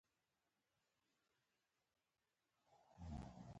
چي حملې نه له پردیو وي نه خپلو